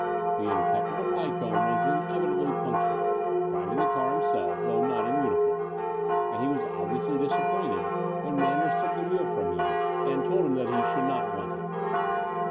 The impeccable Pycombe was inevitably punc tual, driving the car himself, though not in uni form; and he was obviously disappointed when Manders took the wheel from him and told him that he should not want him.